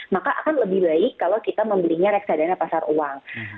maka akan lebih baik kalau kita membelinya reksadana pasar uang